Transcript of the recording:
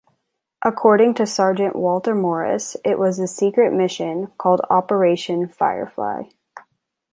According to Sergeant Walter Morris, It was a secret mission called Operation Firefly.